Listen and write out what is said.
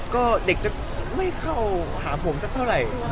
ก็เด็กจะไม่เข้าหาผมสักเท่าไหร่